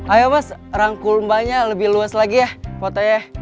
ayo mas rangkul mbaknya lebih luas lagi ya fotonya